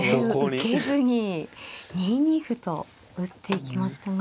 受けずに２二歩と打っていきましたが。